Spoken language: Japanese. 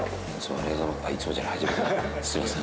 あっすいません。